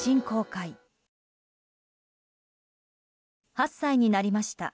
８歳になりました。